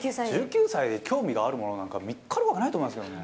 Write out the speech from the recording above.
１９歳で興味があるものなんか、見つかるわけないと思うんですよね。